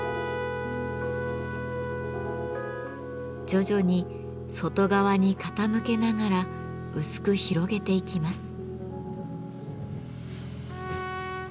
徐々に外側に傾けながら薄く広げていきます。